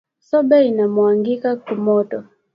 Sombe ina mwangika ku moto